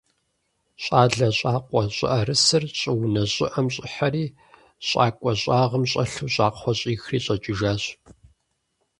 Щӏалэ щӏакъуэ щӏыӏэрысыр щӏыунэ щӏыӏэм щӏыхьэри, щӏакӏуэ щӏагъым щӏэлъу щӏакхъуэ щӏихри щӏэкӏыжащ.